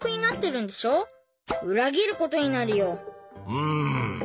うん。